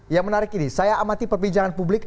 yang menarik ini saya amati perbincangan publik